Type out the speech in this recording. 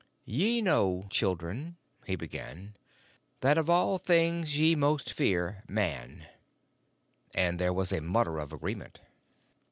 "Ye know, children," he began, "that of all things ye most fear Man"; and there was a mutter of agreement.